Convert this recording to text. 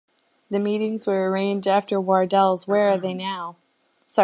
The meetings were arranged after Wardell's 'Where Are They Now?